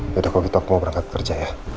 yaudah kalau gitu aku mau berangkat kerja ya